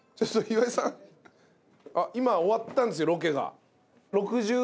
今終わったんですよロケが。